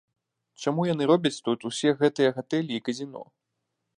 Чаму яны робяць тут усе гэтыя гатэлі і казіно?